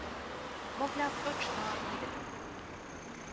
Мовляв, точно невідомо